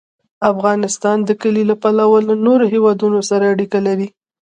افغانستان د کلي له پلوه له نورو هېوادونو سره اړیکې لري.